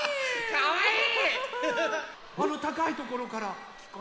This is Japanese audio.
かわいい！